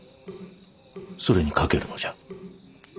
それに賭けるのじゃ。